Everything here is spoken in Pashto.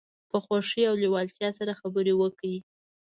په خوښۍ او لیوالتیا سره خبرې وکړئ.